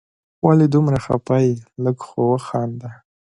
ولي دومره خفه یې ؟ لږ خو وخانده